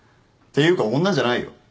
ていうか女じゃないよ